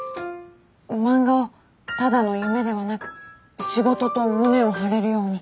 漫画をただの夢ではなく「仕事」と胸を張れるように。